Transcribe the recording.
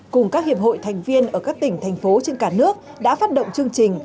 cùng các hiệp hội thành viên ở các tỉnh thành phố trên cả nước đã phát động chương trình